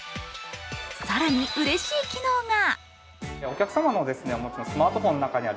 更に、うれしい機能が。